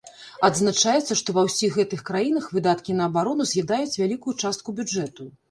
Адзначаецца, што ва ўсіх гэтых краінах выдаткі на абарону з'ядаюць вялікую частку бюджэту.